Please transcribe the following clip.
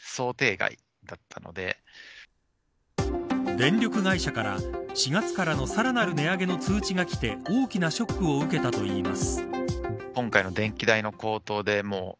電力会社から４月からのさらなる値上げの通知がきて大きなショックを受けたといいます。